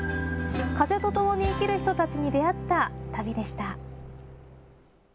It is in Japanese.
風とともに生きる人たちに出会った旅でした。